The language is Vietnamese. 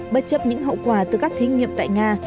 bất chấp những hậu quả từ các thí nghiệm tại nga